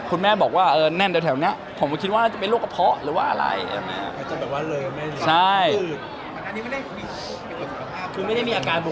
คุณแม่บอกว่าแน่นแถวนี้ผมก็คิดว่าน่าจะเป็นโรคกระเพาะหรือว่าอะไร